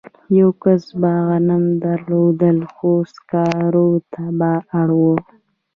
یوه کس به غنم درلودل خو سکارو ته به اړ و